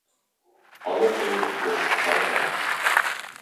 ئالا قۇيرۇقلۇق قارا كالا.